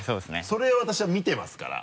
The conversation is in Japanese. それを私は見てますから。